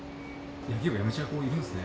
野球部辞めちゃう子いるんですね。